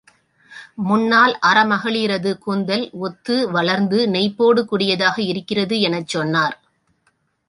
முன்னால் அரமகளிரது கூந்தல், ஒத்து வளர்ந்து நெய்ப்போடு கூடியதாக இருக்கிறது எனச் சொன்னார்.